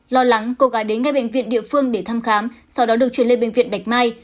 lo lắng cô gái đến ngay bệnh viện địa phương để thăm khám sau đó được chuyển lên bệnh viện bạch mai